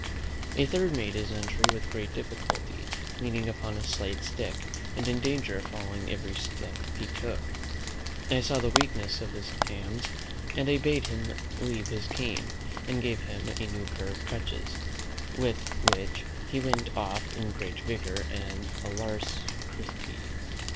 A third made his entry with great difficulty, leaning upon a slight stick, and in danger of falling every step he took. I saw the weakness of his hams; and I bade him leave his cane, and gave him a new pair of crutches, with which he went off in great vigour and alacrity.